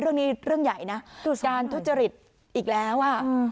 เรื่องนี้เรื่องใหญ่นะการทุจริตอีกแล้วอ่ะ